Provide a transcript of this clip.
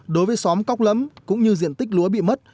đối với xóm cóc lẫm cũng như diện tích lúa bị mất